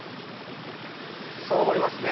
そう思いますね。